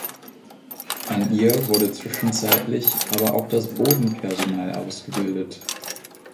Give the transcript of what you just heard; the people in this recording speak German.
An ihr wurde zwischenzeitlich aber auch das Bodenpersonal ausgebildet.